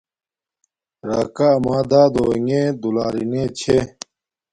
راکا اما دادو انݣے دولارینے چھے